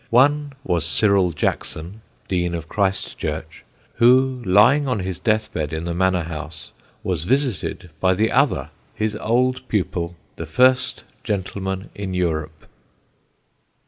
One was Cyril Jackson, Dean of Christ Church, who, lying on his death bed in the Manor House, was visited by the other his old pupil, the First Gentleman in Europe.